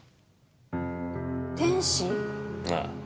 天使？ああ。